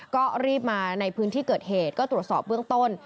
ก็รีบมาในพื้นที่เกิดเหตุก็ตรวจสอบเบื้องต้น